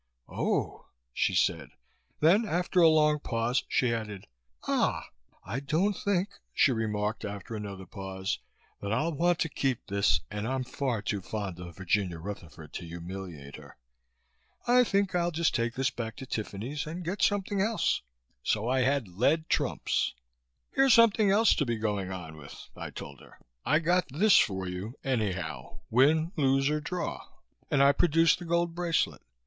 "Oh!" she said. Then after a long pause, she added, "Ah!" "I don't think," she remarked, after another pause, "that I'll want to keep this and I'm far too fond of Virginia Rutherford to humiliate her. I think I'll just take this back to Tiffany's and get something else." So I had led trumps. "Here's something else to be going on with," I told her. "I got this for you, anyhow, win, lose or draw" and I produced the gold bracelet.